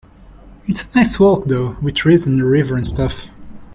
It's a nice walk though, with trees and a river and stuff.